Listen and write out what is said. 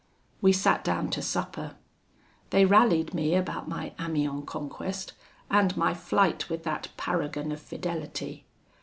"We sat down to supper. They rallied me about my Amiens conquest, and my flight with that paragon of fidelity.